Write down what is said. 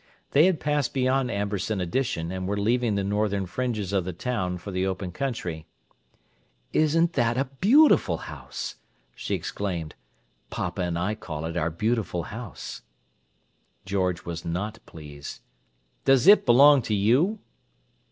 They had passed beyond Amberson Addition, and were leaving the northern fringes of the town for the open country. "Isn't that a beautiful house!" she exclaimed. "Papa and I call it our Beautiful House." George was not pleased. "Does it belong to you?"